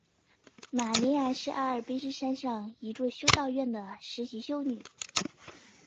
玛莉亚是阿尔卑斯山上一所修道院的实习修女。